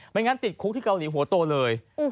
งั้นติดคุกที่เกาหลีหัวโตเลย